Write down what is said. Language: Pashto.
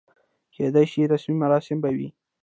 کېدای شي رسمي مراسم به و.